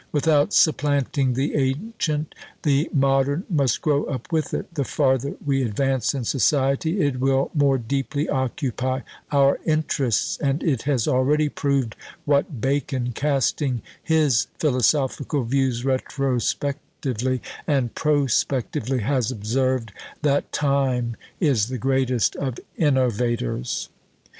Without supplanting the ancient, the modern must grow up with it; the farther we advance in society, it will more deeply occupy our interests; and it has already proved what Bacon, casting his philosophical views retrospectively and prospectively, has observed, "that Time is the greatest of innovators."